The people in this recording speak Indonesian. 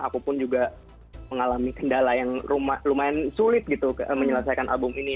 aku pun juga mengalami kendala yang lumayan sulit gitu menyelesaikan album ini